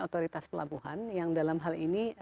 otoritas pelabuhan yang dalam hal ini